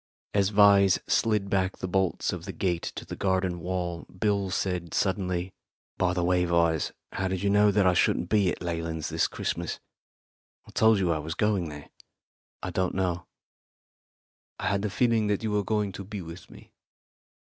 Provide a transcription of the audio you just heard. As Vyse slid back the bolts of the gate in the garden wall, Bill said suddenly, "By the way, Vyse, how did you know that I shouldn't be at the Leylands' this Christmas? I told you I was going there." "I don't know. I had a feeling that you were going to be with me.